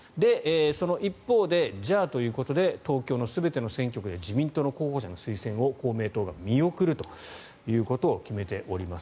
その一方で、じゃあということで東京の全ての選挙区で自民党の候補者の推薦を公明党が見送るということを決めております。